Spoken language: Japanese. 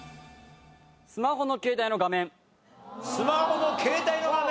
スマホの携帯の画面どうだ？